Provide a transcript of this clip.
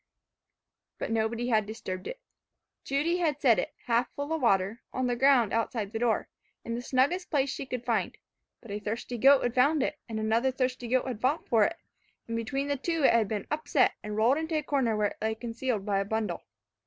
But nobody had disturbed it. Judy had set it, half full of water, on the ground outside the door, in the snuggest place she could find; but a thirsty goat had found it, and another thirsty goat had fought for it, and between the two, it had been upset, and rolled into a corner where it lay concealed by a bundle.